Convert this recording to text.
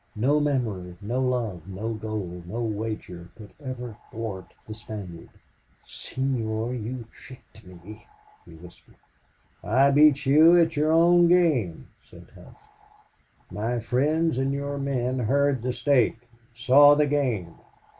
No memory, no love, no gold, no wager, could ever thwart the Spaniard. "Senor, you tricked me!" he whispered. "I beat you at your own game," said Hough. "My friends and your men heard the stake saw the game."